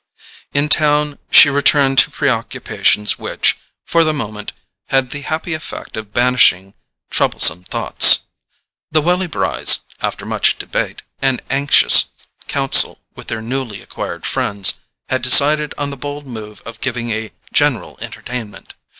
In town she returned to preoccupations which, for the moment, had the happy effect of banishing troublesome thoughts. The Welly Brys, after much debate, and anxious counsel with their newly acquired friends, had decided on the bold move of giving a general entertainment.